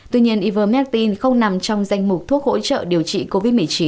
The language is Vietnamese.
tuy nhiên ivermedin không nằm trong danh mục thuốc hỗ trợ điều trị covid một mươi chín